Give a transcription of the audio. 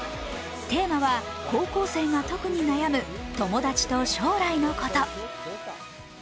テーマは高校生が特に悩む友達と将来のこと。